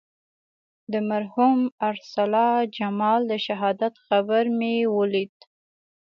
د مرحوم ارسلا جمال د شهادت خبر مې ولید.